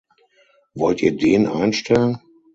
Wollt ihr den einstellen?